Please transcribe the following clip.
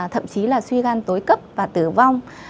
thậm chí là suy gan tối cấp và tử vong